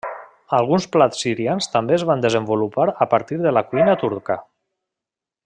Alguns plats sirians també es van desenvolupar a partir de la cuina turca.